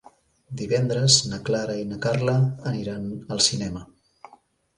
Divendres na Clara i na Carla aniran al cinema.